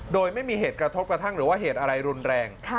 โดยไม่มีเหตุกระทบกระทั่งหรือว่าเหตุอะไรรุนแรง